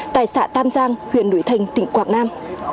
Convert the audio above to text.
tại xã tam giang huyện núi thành tỉnh quảng nam